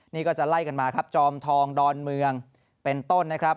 นี่ก็จะไล่กันมาครับจอมทองดอนเมืองเป็นต้นนะครับ